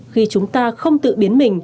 khi chúng ta không tự biến mình